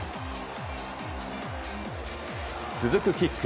続くキック。